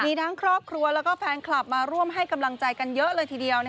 มีทั้งครอบครัวแล้วก็แฟนคลับมาร่วมให้กำลังใจกันเยอะเลยทีเดียว